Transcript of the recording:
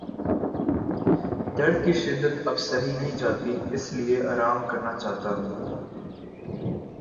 درد کی شدت اب سہی نہیں جاتی اس لیے آرام کرنا چاہتا ہوں۔